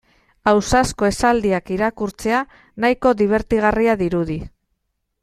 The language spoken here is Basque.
Ausazko esaldiak irakurtzea nahiko dibertigarria dirudi.